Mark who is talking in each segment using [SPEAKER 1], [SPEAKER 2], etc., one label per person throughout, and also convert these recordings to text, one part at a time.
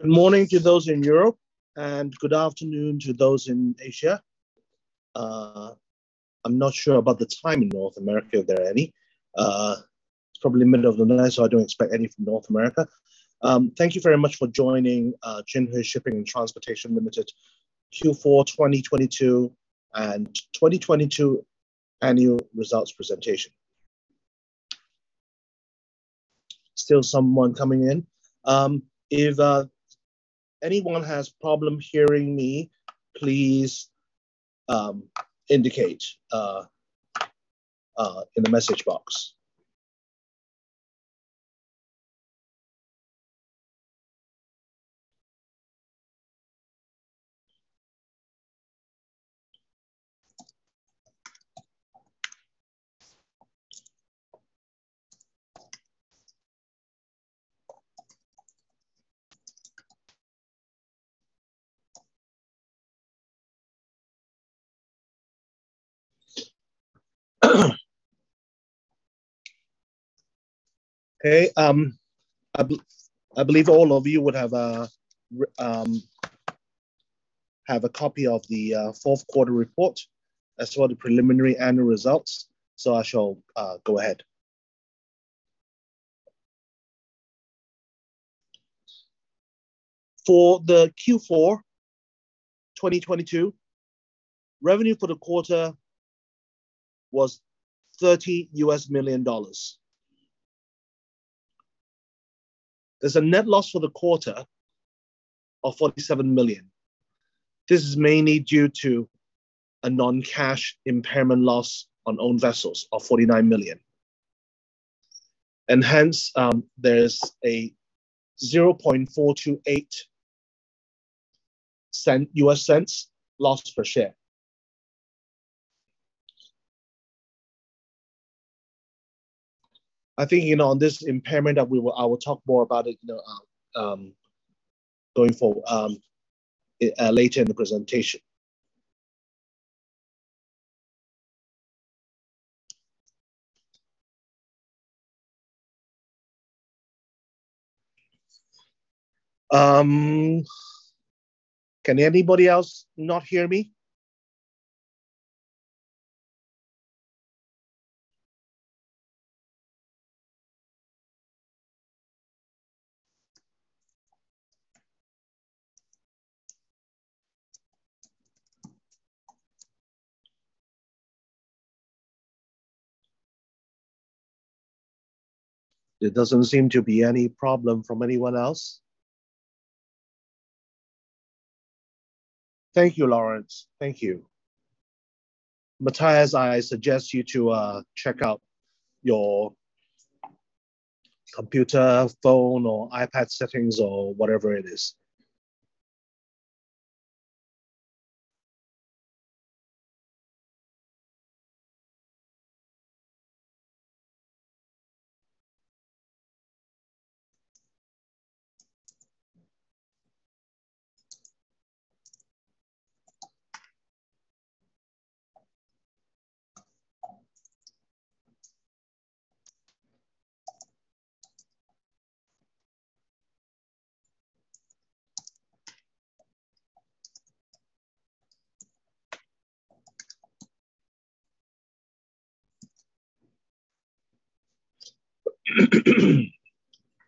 [SPEAKER 1] Good morning to those in Europe, and good afternoon to those in Asia. I'm not sure about the time in North America, if there are any. It's probably middle of the night, so I don't expect any from North America. Thank you very much for joining Jinhui Shipping & Transportation Limited Q4 2022 and 2022 Annual Results Presentation. Still someone coming in. If anyone has problem hearing me, please indicate in the message box. Okay. I believe all of you would have a copy of the Q4 report as well as the preliminary annual results, so I shall go ahead. For the Q4 2022, revenue for the quarter was $30 million. There's a net loss for the quarter of $47 million. This is mainly due to a non-cash impairment loss on owned vessels of $49 million. Hence, there's a $0.00428 loss per share. I think, you know, on this impairment that I will talk more about it, you know, going for later in the presentation. Can anybody else not hear me? There doesn't seem to be any problem from anyone else. Thank you, Lawrence. Thank you. Matthias, I suggest you to check out your computer, phone or iPad settings or whatever it is.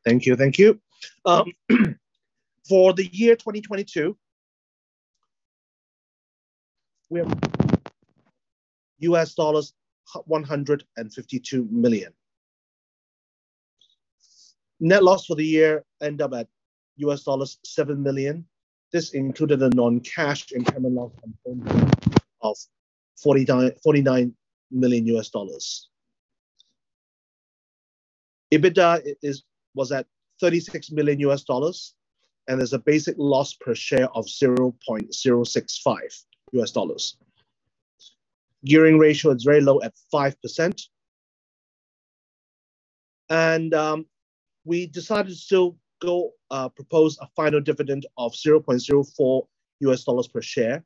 [SPEAKER 1] Thank you. Thank you. For the year 2022, we have $152 million. Net loss for the year end up at $7 million. This included a non-cash impairment loss on of $49 million. EBITDA was at $36 million, there's a basic loss per share of $0.065. Gearing ratio is very low at 5%. We decided to still go propose a final dividend of $0.04 per share.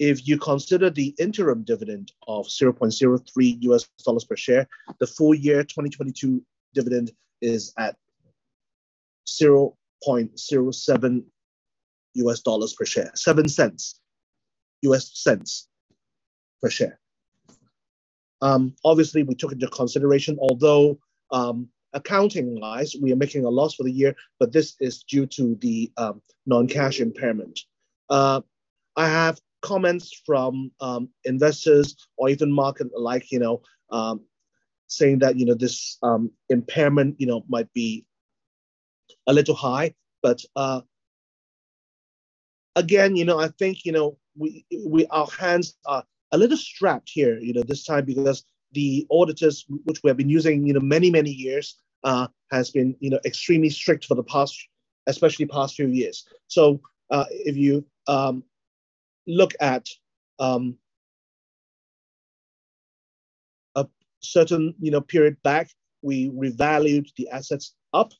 [SPEAKER 1] If you consider the interim dividend of $0.03 per share, the full year 2022 dividend is at $0.07 per share. Obviously we took into consideration, although accounting-wise, we are making a loss for the year, this is due to the non-cash impairment. I have comments from investors or even market alike, you know, saying that, you know, this impairment, you know, might be a little high. Again, you know, I think, you know, we our hands are a little strapped here, you know, this time because the auditors which we have been using, you know, many years has been, you know, extremely strict for the past, especially past few years. If you look at a certain, you know, period back, we revalued the assets up.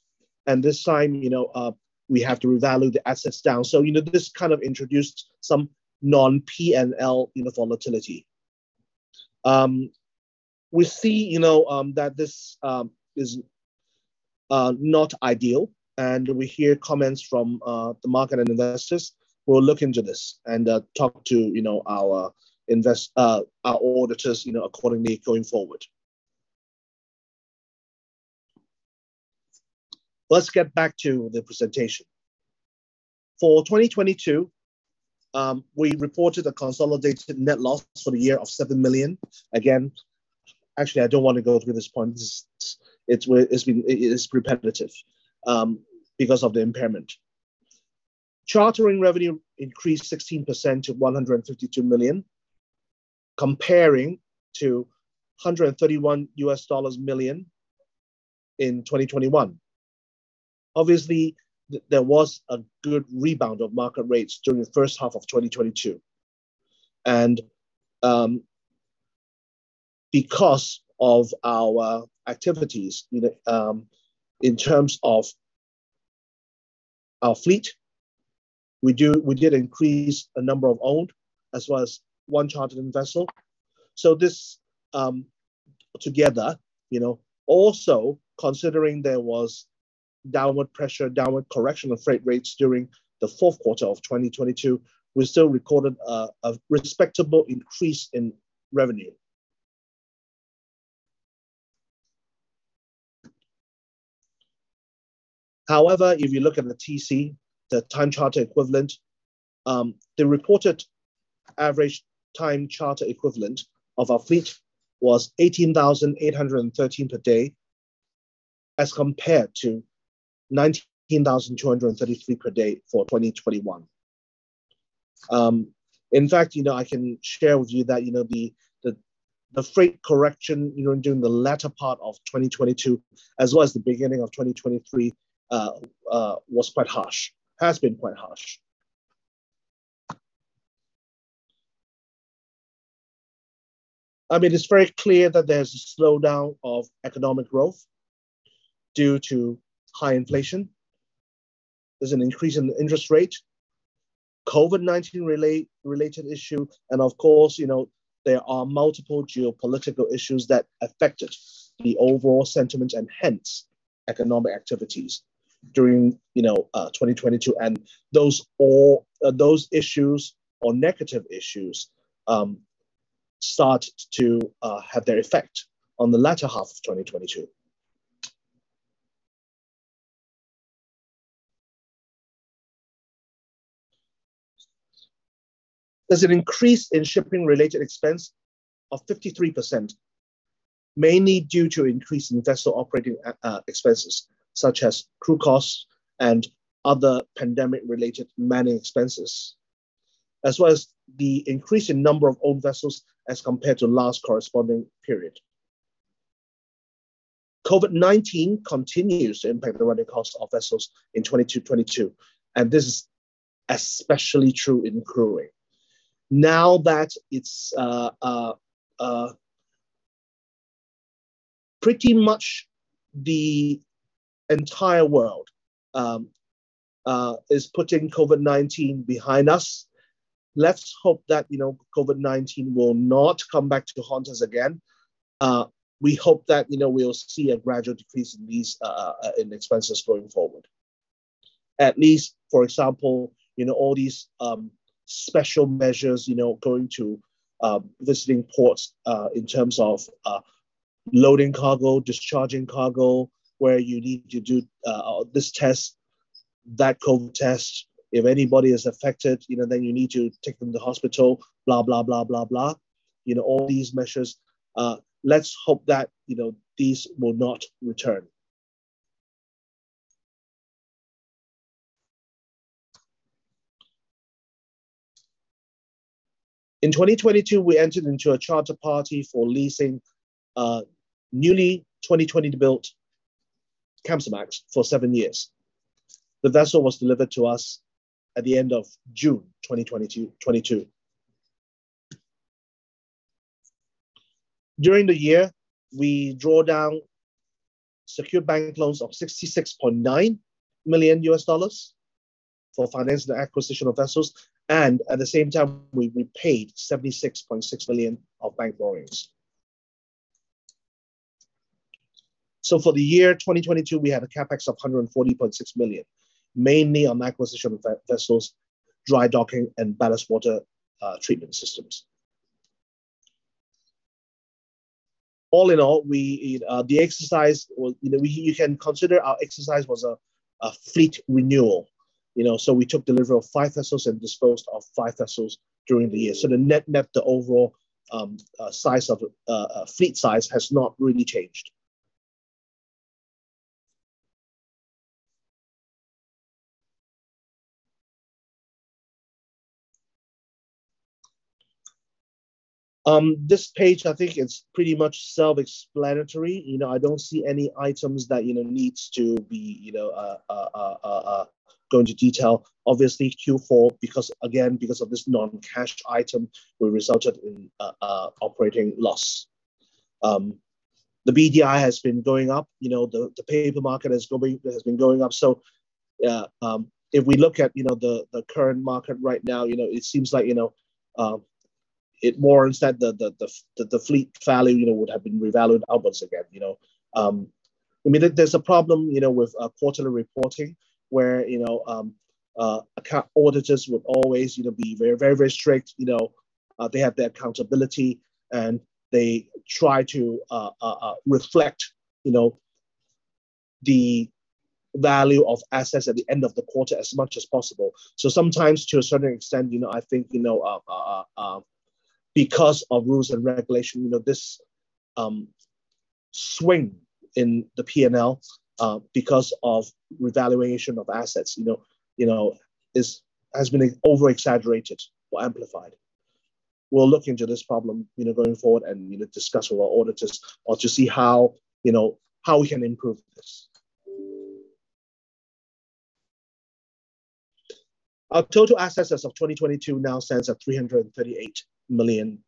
[SPEAKER 1] This time, you know, we have to revalue the assets down. This kind of introduced some non-P&L, you know, volatility. We see, you know, that this is not ideal, and we hear comments from the market and investors. We'll look into this and talk to, you know, our auditors, you know, accordingly going forward. Let's get back to the presentation. For 2022, we reported a consolidated net loss for the year of $7 million. Actually, I don't want to go through this point. This is where it's been repetitive because of the impairment. Chartering revenue increased 16% to $152 million, comparing to $131 million in 2021. Obviously, there was a good rebound of market rates during the H1 of 2022. Because of our activities in terms of our fleet, we did increase a number of owned as well as one chartered in vessel. This, together, you know, also considering there was downward pressure, downward correction of freight rates during the Q4 of 2022, we still recorded a respectable increase in revenue. If you look at the TCE, the time charter equivalent, the reported average time charter equivalent of our fleet was $18,813 per day as compared to $19,233 per day for 2021. In fact, you know, I can share with you that, you know, the freight correction, you know, during the latter part of 2022 as well as the beginning of 2023, was quite harsh, has been quite harsh. I mean, it's very clear that there's a slowdown of economic growth due to high inflation. There's an increase in the interest rate, COVID-19 related issue, and of course, you know, there are multiple geopolitical issues that affected the overall sentiment and hence economic activities during, you know, 2022. Those all, those issues or negative issues, start to have their effect on the latter half of 2022. There's an increase in shipping-related expense of 53%, mainly due to increase in vessel operating expenses such as crew costs and other pandemic-related manning expenses, as well as the increase in number of owned vessels as compared to last corresponding period. COVID-19 continues to impact the running costs of vessels in 2022, and this is especially true in crewing. Now that it's pretty much the entire world is putting COVID-19 behind us, let's hope that, you know, COVID-19 will not come back to haunt us again. We hope that, you know, we'll see a gradual decrease in these in expenses going forward. At least, for example, you know, all these special measures, you know, going to visiting ports, in terms of loading cargo, discharging cargo. Where you need to do this test, that COVID test. If anybody is affected, you know, then you need to take them to hospital, blah, blah, blah, blah, blah. You know, all these measures, let's hope that, you know, these will not return. In 2022, we entered into a charter party for leasing newly 2020-built Kamsarmax for seven years. The vessel was delivered to us at the end of June 2022. During the year, we draw down secure bank loans of $66.9 million for financing the acquisition of vessels, and at the same time, we paid $76.6 million of bank borrowings. For the year 2022, we have a CapEx of $140.6 million, mainly on acquisition of vessels, dry docking, and ballast water treatment systems. All in all, we, the exercise was, you know, you can consider our exercise was a fleet renewal, you know. We took delivery of five vessels and disposed of five vessels during the year. The net, the overall, size of fleet size has not really changed. This page, I think it's pretty much self-explanatory. You know, I don't see any items that, you know, needs to be go into detail. Obviously, Q4, because again, because of this non-cash item, will resulted in operating loss. The BDI has been going up. You know, the paper market has been going up. If we look at, you know, the current market right now, you know, it seems like, you know, instead the, the fleet value, you know, would have been revalued upwards again, you know. I mean, there's a problem, you know, with quarterly reporting where, you know, account auditors would always, you know, be very, very, very strict, you know. They have their accountability, and they try to reflect, you know, the value of assets at the end of the quarter as much as possible. Sometimes to a certain extent, you know, I think, you know, because of rules and regulations, you know, this swing in the P&L because of revaluation of assets, you know, has been over-exaggerated or amplified. We'll look into this problem, you know, going forward and, you know, discuss with our auditors or to see how, you know, how we can improve this. Our total assets as of 2022 now stands at $338 million.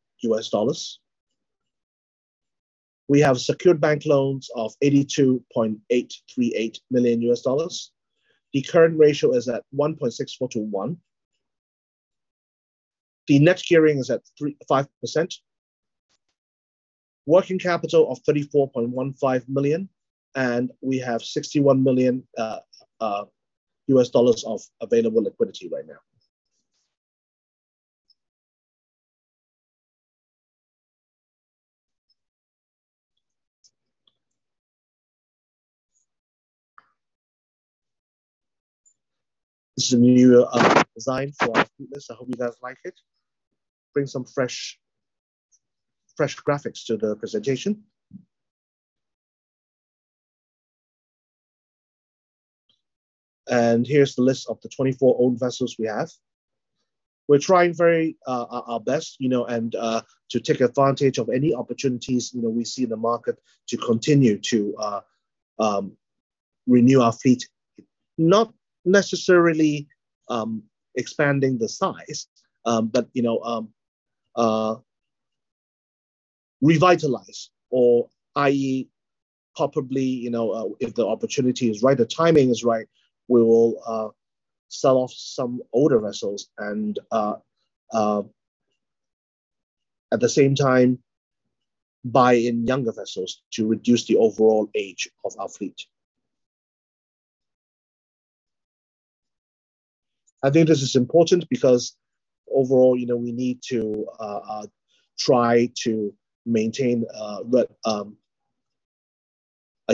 [SPEAKER 1] We have secured bank loans of $82.838 million. The current ratio is at 1.64/1. The net gearing is at 5%. Working capital of $34.15 million, and we have $61 million of available liquidity right now. This is a new design for our fleet list. I hope you guys like it. Bring some fresh graphics to the presentation. Here's the list of the 24 owned vessels we have. We're trying very our best, you know, to take advantage of any opportunities, you know, we see in the market to continue to renew our fleet. Not necessarily expanding the size, but, you know, revitalize or i.e., probably, you know, if the opportunity is right, the timing is right, we will sell off some older vessels and at the same time, buy in younger vessels to reduce the overall age of our fleet. I think this is important because overall, you know, we need to try to maintain a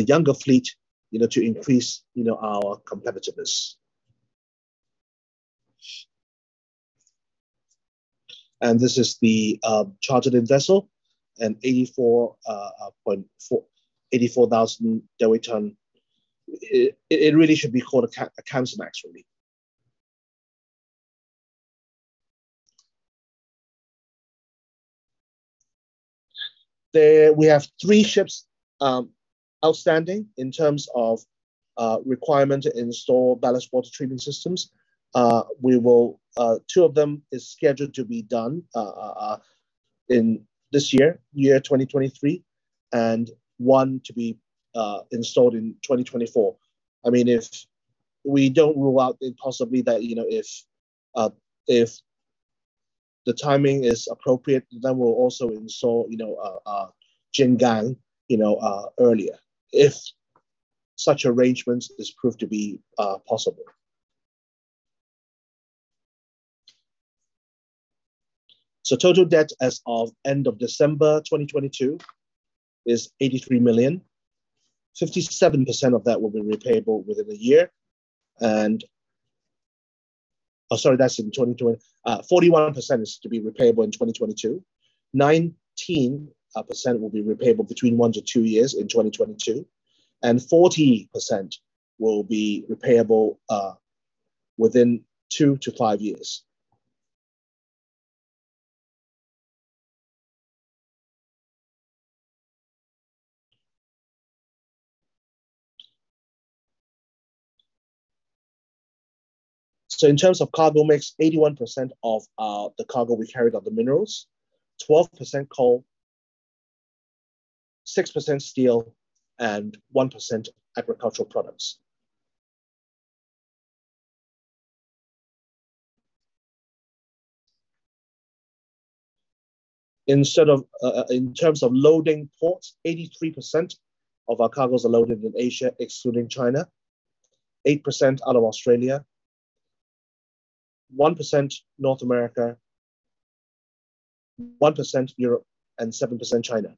[SPEAKER 1] younger fleet, you know, to increase, you know, our competitiveness. This is the chartered-in vessel and 84,000 deadweight ton. It, it really should be called a Panamax really. There we have three ships outstanding in terms of requirement to install ballast water treatment systems. We will two of them is scheduled to be done in this year 2023, and one to be installed in 2024. I mean, if we don't rule out the possibly that, you know, if the timing is appropriate, then we'll also install, you know, Jin Gang, you know, earlier, if such arrangements is proved to be possible. Total debt as of end of December 2022 is $83 million. 57% of that will be repayable within a year. 41% is to be repayable in 2022. 19% will be repayable between one to two years in 2022, and 40% will be repayable within two to five years. In terms of cargo mix, 81% of the cargo we carry are the minerals, 12% coal, 6% steel, and 1% agricultural products. Instead of, in terms of loading ports, 83% of our cargos are loaded in Asia, excluding China, 8% out of Australia, 1% North America, 1% Europe, and 7% China.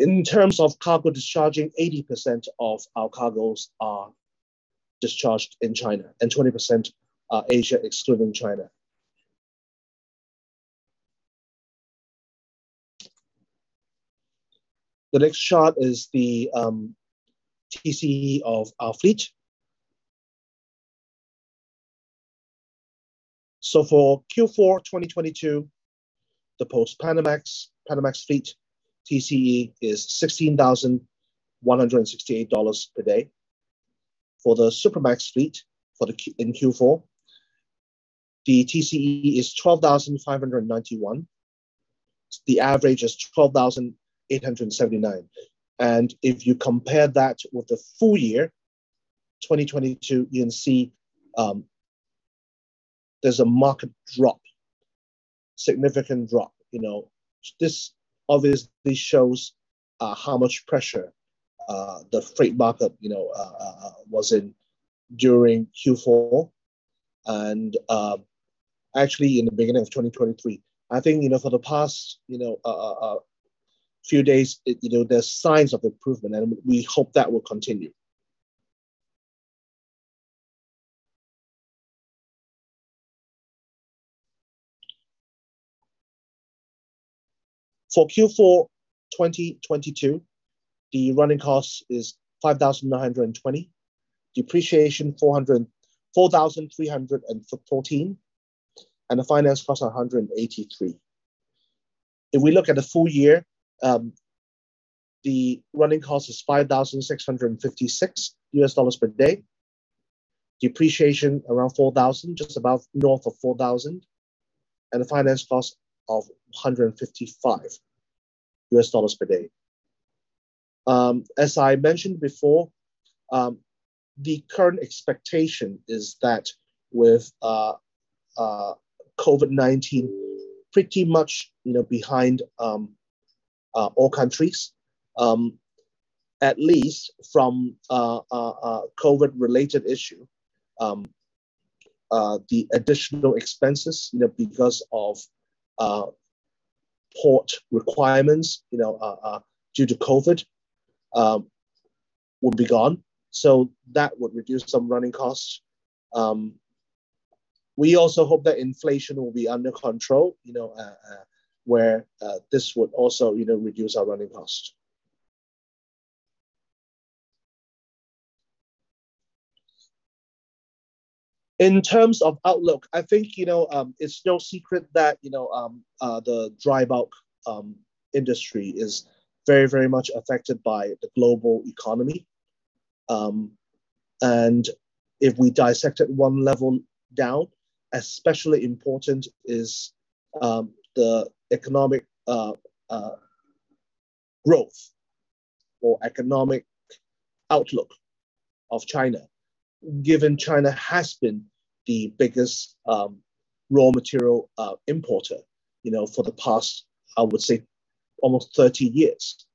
[SPEAKER 1] In terms of cargo discharging, 80% of our cargos are discharged in China and 20% are Asia, excluding China. The next chart is the TCE of our fleet. For Q4 2022, the post-Panamax, Panamax fleet TCE is $16,168 per day. For the Supramax fleet in Q4, the TCE is $12,591. The average is $12,879. If you compare that with the full year, 2022, you can see, there's a market drop, significant drop, you know. This obviously shows how much pressure the freight market, you know, was in during Q4 and, actually in the beginning of 2023. I think, you know, for the past, you know, few days, you know, there's signs of improvement, and we hope that will continue. For Q4 2022, the running costs is $5,920. Depreciation, $4,314. The finance cost, $183. If we look at the full year, the running cost is $5,656 per day. Depreciation, around $4,000, just about north of $4,000. The finance cost of $155 per day. As I mentioned before, the current expectation is that with COVID-19 pretty much, you know, behind all countries, at least from a COVID-related issue, the additional expenses, you know, because of port requirements, you know, due to COVID, will be gone. That would reduce some running costs. We also hope that inflation will be under control, you know, where this would also, you know, reduce our running cost. In terms of outlook, I think, you know, it's no secret that, you know, the dry bulk industry is very, very much affected by the global economy. If we dissect it 1 level down, especially important is the economic growth or economic outlook of China, given China has been the biggest raw material importer, you know, for the past, I would say, almost 30 years.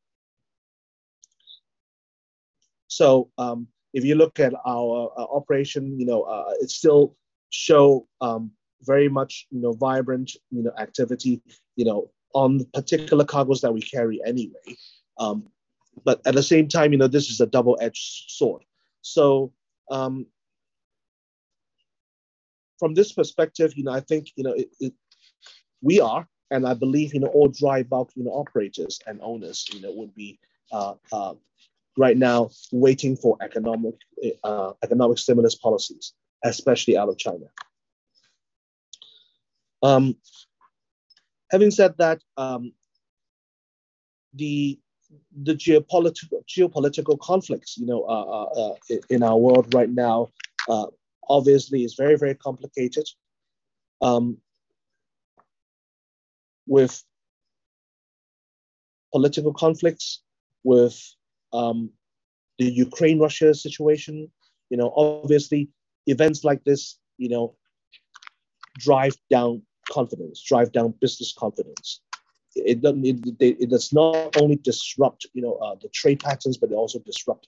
[SPEAKER 1] If you look at our operation, you know, it still show very much, you know, vibrant, you know, activity, you know, on the particular cargos that we carry anyway. At the same time, you know, this is a double-edged sword. From this perspective, you know, I think, you know, We are, and I believe, you know, all dry bulk, you know, operators and owners, you know, would be right now waiting for economic economic stimulus policies, especially out of China. Having said that, the geopolitical conflicts, you know, in our world right now, obviously is very, very complicated, with political conflicts, with the Ukraine-Russia situation. You know, obviously events like this, you know, drive down confidence, drive down business confidence. It does not only disrupt, you know, the trade patterns, but it also disrupt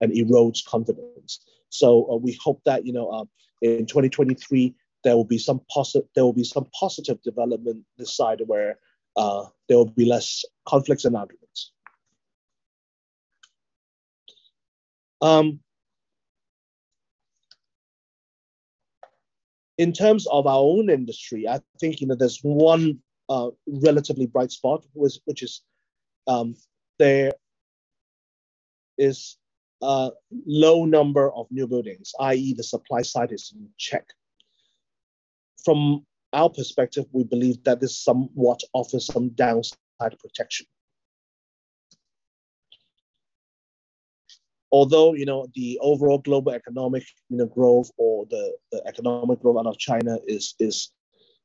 [SPEAKER 1] and erodes confidence. We hope that, you know, in 2023, there will be some positive development this side where there will be less conflicts and arguments. In terms of our own industry, I think, you know, there's one relatively bright spot, which is there is a low number of new buildings, i.e. the supply side is in check. From our perspective, we believe that this somewhat offers some downside protection. You know, the overall global economic, you know, growth or the economic growth out of China is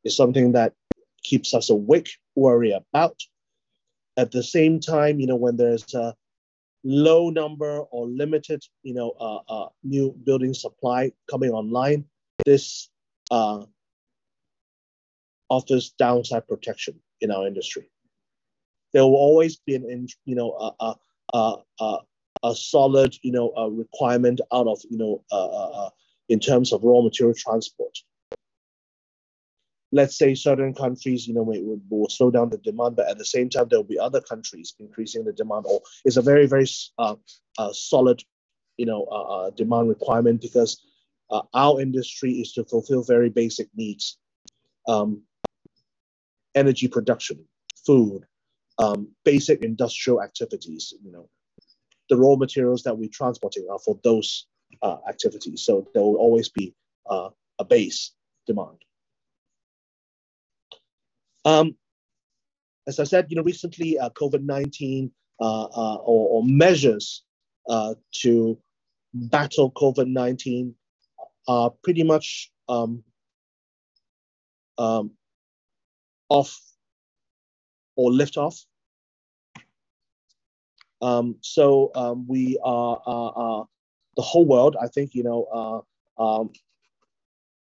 [SPEAKER 1] something that keeps us awake, worry about. At the same time, you know, when there's a low number or limited, you know, new building supply coming online, this offers downside protection in our industry. There will always be, you know, a solid, you know, a requirement out of, you know, in terms of raw material transport. Let's say certain countries, you know, it will slow down the demand, but at the same time, there will be other countries increasing the demand or it's a very, very solid, you know, demand requirement because our industry is to fulfill very basic needs. Energy production, food, basic industrial activities, you know. The raw materials that we're transporting are for those activities. There will always be a base demand. As I said, you know, recently, COVID-19 or measures to battle COVID-19 are pretty much off or lift off. We the whole world, I think, you know, are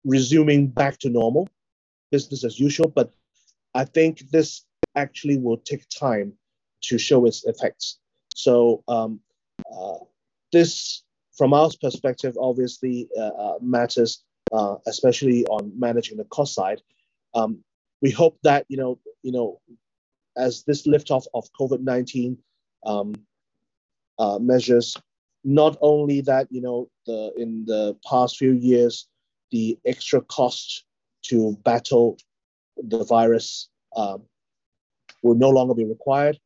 [SPEAKER 1] resuming back to normal, business as usual. I think this actually will take time to show its effects. This from us perspective, obviously, matters, especially on managing the cost side. We hope that, you know, as this lift off of COVID-19 measures, not only that, you know, the, in the past few years, the extra cost to battle the virus, will no longer be required.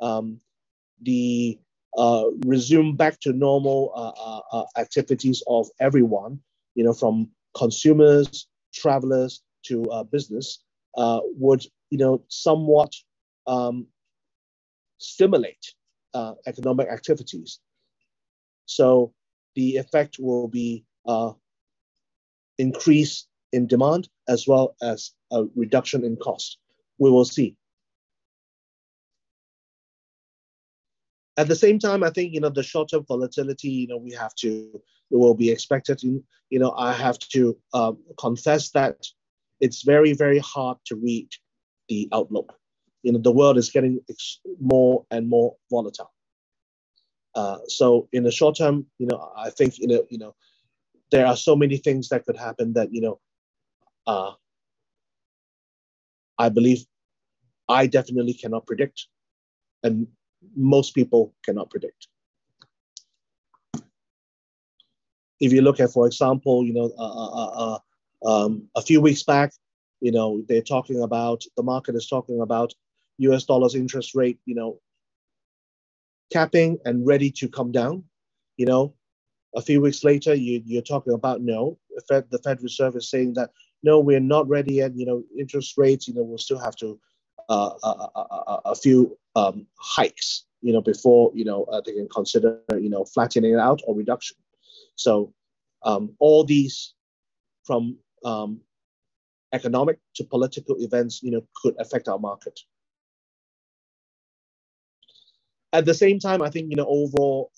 [SPEAKER 1] The resume back to normal activities of everyone, you know, from consumers, travelers to business, would, you know, somewhat, stimulate economic activities. The effect will be increase in demand as well as a reduction in cost. We will see. At the same time, I think, you know, the short-term volatility will be expected, you know. I have to confess that it's very, very hard to read the outlook. You know, the world is getting more and more volatile. In the short term, you know, I think, you know, you know, there are so many things that could happen that, you know, I believe I definitely cannot predict, and most people cannot predict. If you look at, for example, you know, a few weeks back, you know, they're talking about the market is talking about U.S. dollars interest rate, you know, capping and ready to come down, you know. A few weeks later, you're talking about no. The Fed, the Federal Reserve is saying that, "No, we're not ready yet," you know, interest rates, you know, will still have to a few hikes, you know, before, you know, they can consider, you know, flattening out or reduction. All these from economic to political events, you know, could affect our market. At the same time, I think, you know, overall,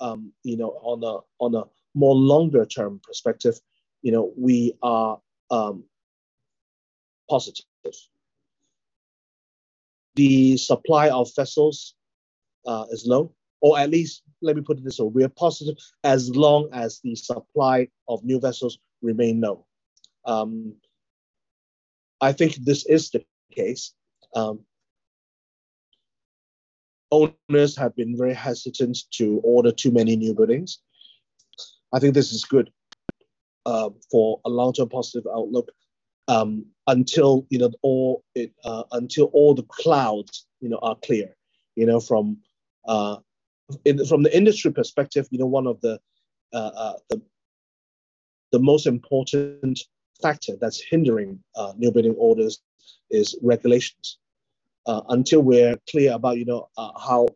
[SPEAKER 1] you know, on a, on a more longer term perspective, you know, we are positive. The supply of vessels is low, or at least let me put it this way, we are positive as long as the supply of new vessels remain low. I think this is the case. Owners have been very hesitant to order too many new buildings. I think this is good for a long-term positive outlook, until, you know, all, until all the clouds, you know, are clear, you know, from, in, from the industry perspective, you know, one of the most important factor that's hindering new building orders is regulations. Until we're clear about, you know, how,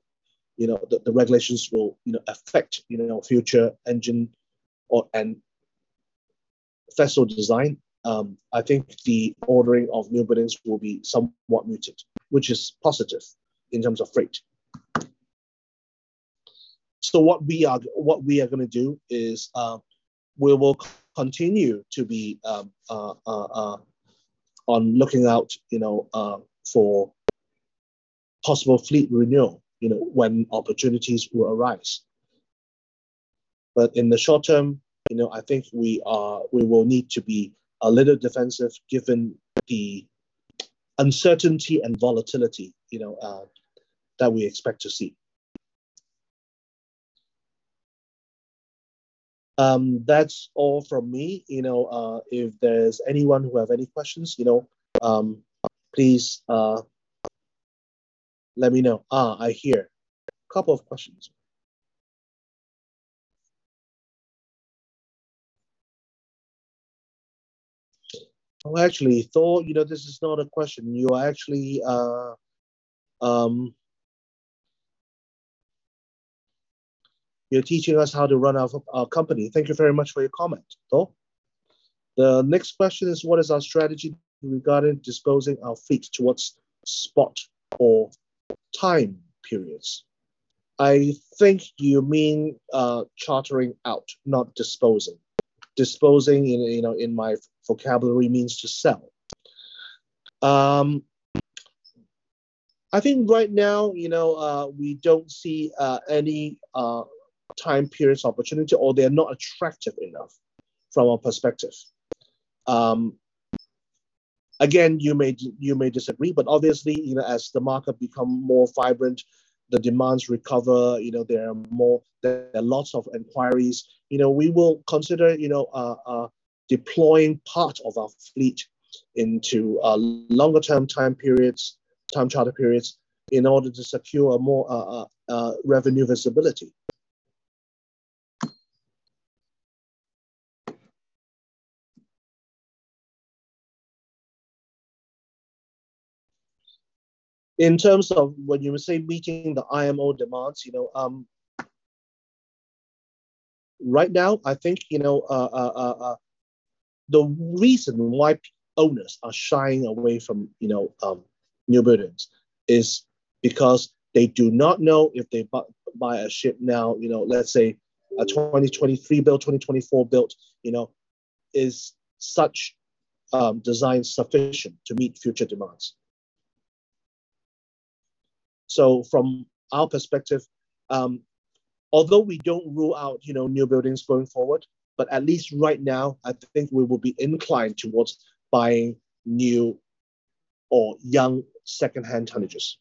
[SPEAKER 1] you know, the regulations will, you know, affect, you know, future engine or, and vessel design, I think the ordering of new buildings will be somewhat muted, which is positive in terms of freight. What we are gonna do is, we will continue to be on looking out, you know, for possible fleet renewal, you know, when opportunities will arise. In the short term, you know, I think we will need to be a little defensive given the uncertainty and volatility, you know, that we expect to see. That's all from me, you know. If there's anyone who have any questions, you know, please let me know. I hear couple of questions. Well, actually, Thor, you know, this is not a question. You are actually, you're teaching us how to run our company. Thank you very much for your comment, Thor. The next question is what is our strategy regarding disposing our fleet towards spot or time periods? I think you mean, chartering out, not disposing. Disposing in, you know, in my vocabulary means to sell. I think right now, you know, we don't see any time periods opportunity, or they're not attractive enough from our perspective. Again, you may disagree, obviously, you know, as the market become more vibrant, the demands recover, you know, there are lots of inquiries. You know, we will consider, you know, deploying part of our fleet into longer-term time periods, time charter periods, in order to secure more revenue visibility. In terms of what you would say meeting the IMO demands, you know, right now, I think, you know, the reason why owners are shying away from, you know, new buildings is because they do not know if they buy a ship now, you know, let's say a 2023 build, 2024 build, you know, is such design sufficient to meet future demands. From our perspective, although we don't rule out, you know, new buildings going forward, but at least right now, I think we will be inclined towards buying new or young secondhand tonnages.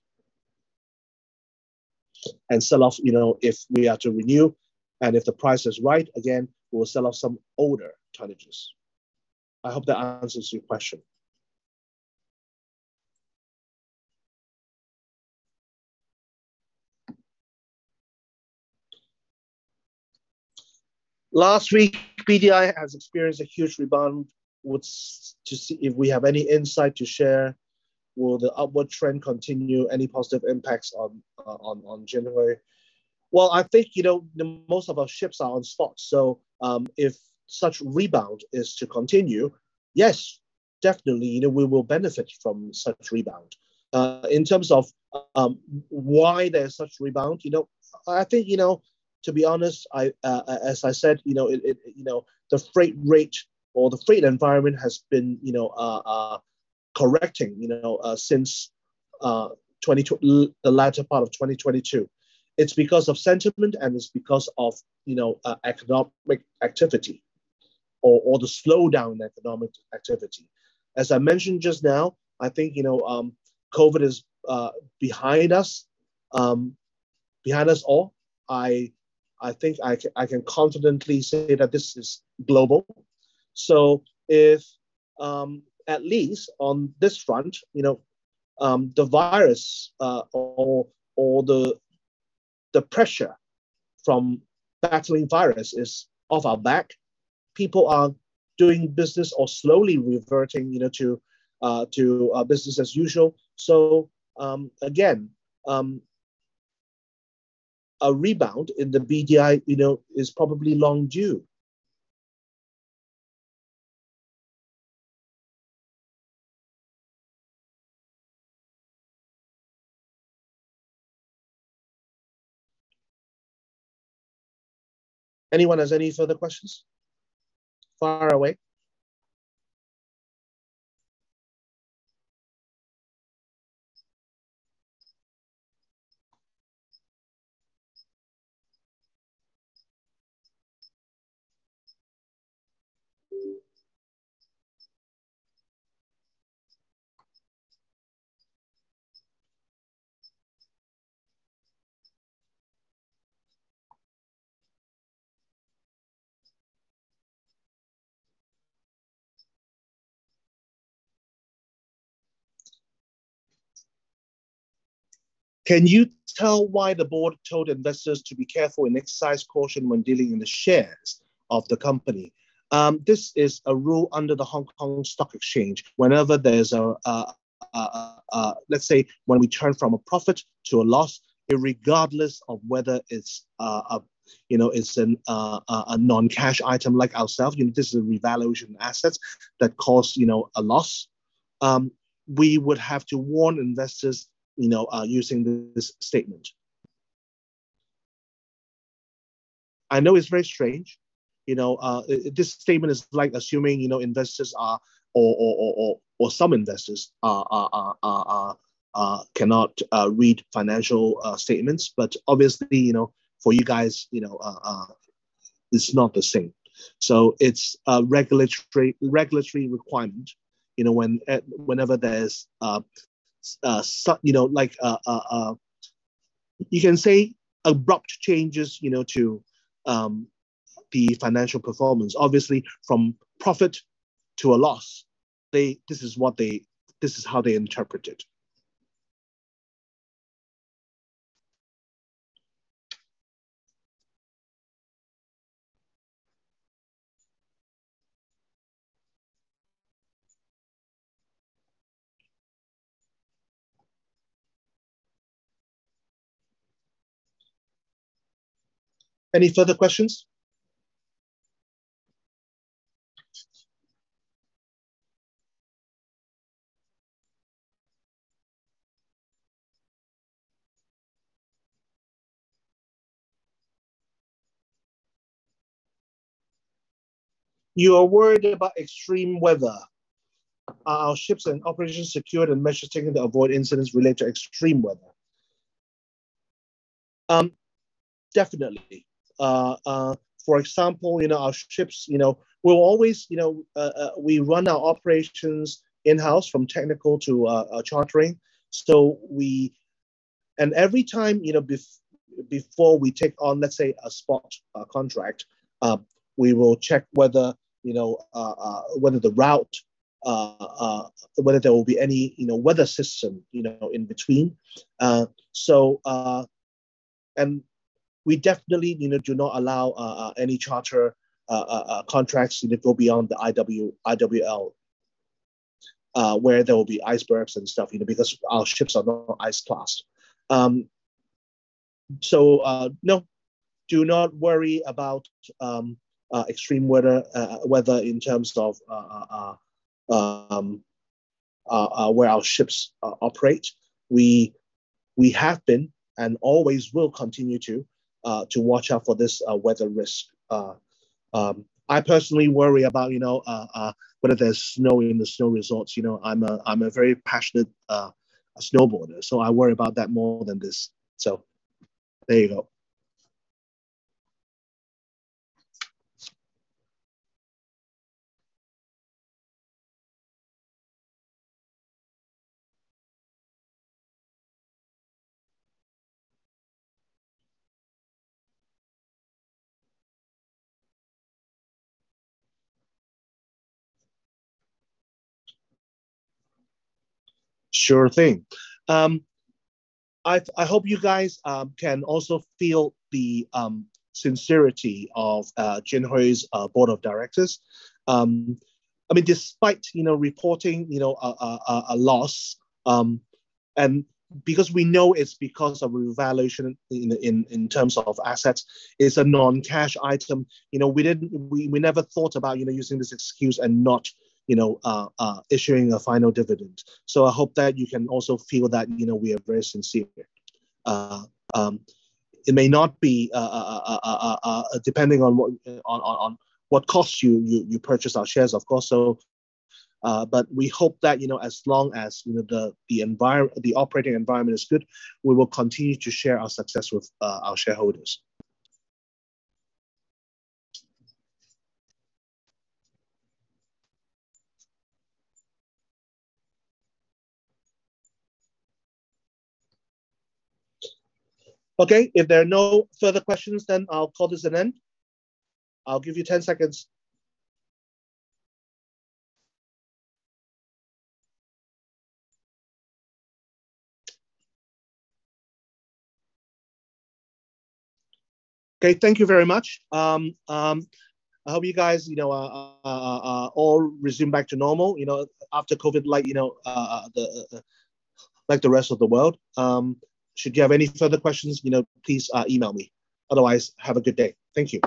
[SPEAKER 1] Sell off, you know, if we are to renew, and if the price is right, again, we'll sell off some older tonnages. I hope that answers your question. Last week, BDI has experienced a huge rebound. Would to see if we have any insight to share? Will the upward trend continue? Any positive impacts on January? Well, I think, you know, the most of our ships are on spot. If such rebound is to continue, yes, definitely, you know, we will benefit from such rebound. In terms of why there's such rebound, you know, I think, you know, to be honest, I, as I said, you know, it, you know, the freight rate or the freight environment has been, you know, correcting, you know, since the latter part of 2022. It's because of sentiment, it's because of, you know, economic activity or the slowdown economic activity. As I mentioned just now, I think, you know, COVID is behind us, behind us all. I think I can confidently say that this is global. If at least on this front, you know, the virus or the pressure from battling virus is off our back, people are doing business or slowly reverting, you know, to business as usual. Again, a rebound in the BDI, you know, is probably long due. Anyone has any further questions? Far Away. Can you tell why the board told investors to be careful and exercise caution when dealing in the shares of the company? This is a rule under the Hong Kong Stock Exchange. Whenever there's let's say when we turn from a profit to a loss, irregardless of whether it's a, you know, it's an a non-cash item like ourselves, you know, this is a revaluation assets that cause, you know, a loss, we would have to warn investors, you know, using this statement. I know it's very strange. You know, this statement is like assuming, you know, investors are or some investors are cannot read financial statements. Obviously, you know, for you guys, you know, it's not the same. It's a regulatory requirement, you know, whenever there's you know, like you can say abrupt changes, you know, to the financial performance, obviously from profit to a loss. This is how they interpret it. Any further questions? You are worried about extreme weather. Are ships and operations secured and measures taken to avoid incidents related to extreme weather? Definitely. For example, you know, our ships, you know, we'll always, you know. We run our operations in-house from technical to chartering. Every time, you know, before we take on, let's say, a spot contract, we will check whether, you know, whether the route, whether there will be any, you know, weather system, you know, in between. And we definitely, you know, do not allow any charter contracts, you know, go beyond the IWL, where there will be icebergs and stuff, you know, because our ships are not ice class. No, do not worry about extreme weather in terms of where our ships operate. We have been, and always will continue to watch out for this weather risk. I personally worry about, you know, whether there's snow in the snow resorts. You know, I'm a very passionate snowboarder, so I worry about that more than this. There you go. Sure thing. I hope you guys can also feel the sincerity of Jinhui's board of directors. I mean, despite, you know, reporting, you know, a loss, because we know it's because of revaluation in terms of assets, it's a non-cash item. You know, we never thought about, you know, using this excuse and not, you know, issuing a final dividend. I hope that you can also feel that, you know, we are very sincere. It may not be depending on what cost you purchased our shares, of course. We hope that, you know, as long as, you know, the operating environment is good, we will continue to share our success with our shareholders. Okay. If there are no further questions, I'll call this an end. I'll give you 10 seconds. Okay, thank you very much. I hope you guys, you know, all resume back to normal, you know, after COVID, like, you know, like the rest of the world. Should you have any further questions, you know, please email me. Otherwise, have a good day. Thank you.